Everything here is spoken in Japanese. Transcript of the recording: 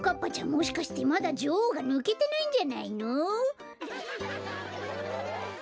もしかしてまだじょおうがぬけてないんじゃないの？